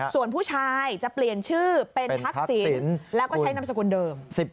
ส่วนผู้ชายจะเปลี่ยนชื่อเป็นทักษิณแล้วก็ใช้นามสกุลเดิม